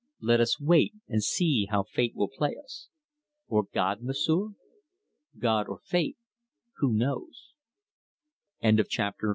Let us wait and see how Fate will play us." "Or God, M'sieu'?" "God or Fate who knows" CHAPTER XLIV.